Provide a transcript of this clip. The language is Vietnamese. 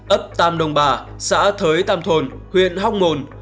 ấp tam đông bà xã thới tam thồn huyện hóc mồn